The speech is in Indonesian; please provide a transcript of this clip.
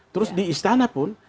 terus di istana pun